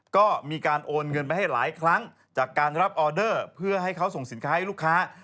ก็มีการโอนเงินไปให้หลายครั้งจากการรับออเดอร์เพื่อให้เขาส่งสินค้าให้ลูกค้า